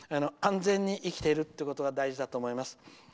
安全に生きているってことが大事だと思います。